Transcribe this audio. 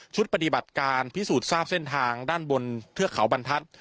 ปฏิบัติการพิสูจน์ทราบเส้นทางด้านบนเทือกเขาบรรทัศน์